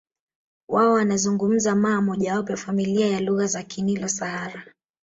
Wao wanazungumza Maa mojawapo ya familia ya lugha za Kinilo Sahara